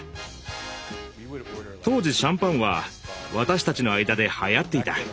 当時シャンパンは私たちの間ではやっていた。